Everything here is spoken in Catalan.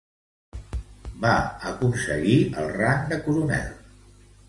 Va aconseguir el rang de coronel.